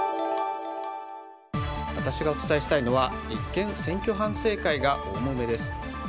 私がお伝えしたいのは立憲、選挙反省会が大もめです。